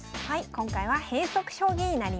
今回は変則将棋になります。